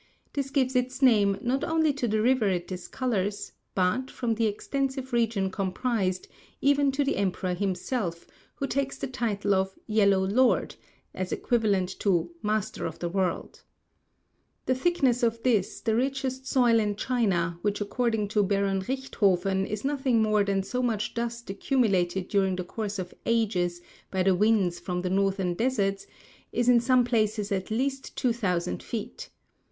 This gives its name, not only to the river it discolors, but, from the extensive region comprised, even to the emperor himself, who takes the title of "Yellow Lord," as equivalent to "Master 188 Across Asia on a Bicycle MISSIONARIES AT TAI YUEN FOO. VI 189 of the World." The thickness of this the richest soil in China, which according to Baron Richthofen is nothing more than so much dust accumulated during the course of ages by the winds from the northern deserts, is in some places at least two thousand feet.